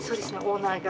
オーナーが。